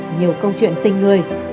nhiều câu chuyện tình người